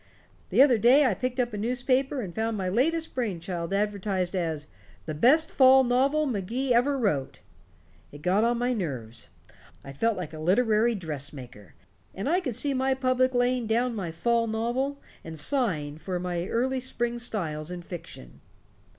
The other day I picked up a newspaper and found my latest brain child advertised as 'the best fall novel Magee ever wrote'. It got on my nerves I felt like a literary dressmaker, and I could see my public laying down my fall novel and sighing for my early spring styles in fiction.